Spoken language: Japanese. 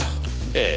ええ。